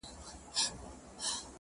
د ژوند دوهم جنم دې حد ته رسولی يمه~